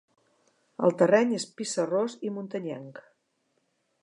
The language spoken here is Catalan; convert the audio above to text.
El terreny és pissarrós i muntanyenc.